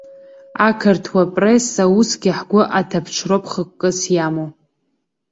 Ақырҭуа пресса усгьы ҳгәы аҭаԥҽроуп хықәкыс иамоу.